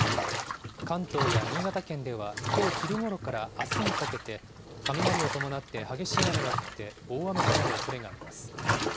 関東や新潟県ではきょう昼ごろからあすにかけて、雷を伴って激しい雨が降って、大雨となるおそれがあります。